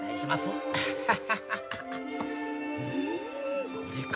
うんこれか。